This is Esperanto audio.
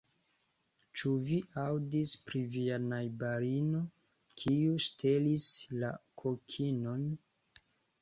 Ĉu vi aŭdis pri via najbarino kiu ŝtelis la kokinon?